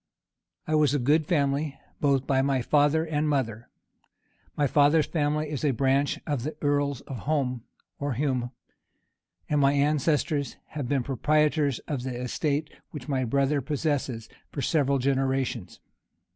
I was of a good family, both by father and mother: my father's family is a branch of the earl of Home's, or Hume's; and my ancestors had been proprietors of the estate which my brother possesses, for several generations.